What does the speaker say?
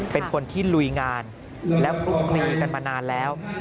เป็นคนที่ลุยงานแล้วคลุกคลีกันมานานแล้ว